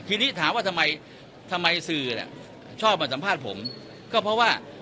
ทีนี้ถามว่าทำไมทำไมสื่อชอบมาสัมภาษณ์ผมก็เพราะว่า